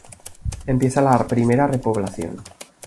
Empieza la primera repoblación.